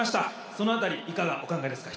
その辺りいかがお考えですか？